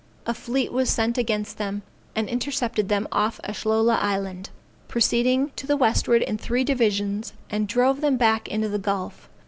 A fleet was sent against them, and intercepted them off Ashlola Island, proceeding to the westward in three divisions; and drove them back into the gulf.